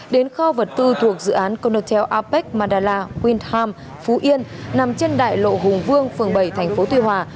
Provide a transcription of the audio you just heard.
đến kho vật tư thuộc dự án conotel apec mandala windham phú yên nằm trên đại lộ hùng vương phường bảy thành phố tuy hòa